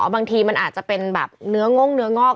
บางทีมันอาจจะเป็นแบบเนื้อง่งเนื้องอก